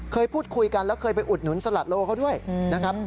เคยพูดคุยกันแล้วเคยไปอุดหนุนสลัดโลเขาด้วยนะครับ